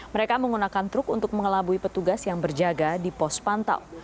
mereka menggunakan truk untuk mengelabui petugas yang berjaga di pos pantau